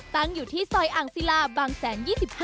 ตั้งอยู่ที่ซอยอ่างศิลาบางแสน๒๕